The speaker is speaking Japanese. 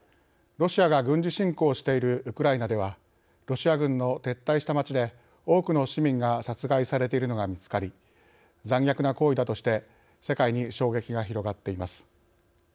ロシアが軍事侵攻しているウクライナではロシア軍の撤退した町で多くの市民が殺害されているのが見つかり、残虐な行為だとして世界に衝撃が広がっています。